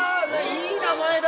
いい名前だ。